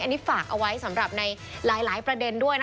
อันนี้ฝากเอาไว้สำหรับในหลายประเด็นด้วยนะ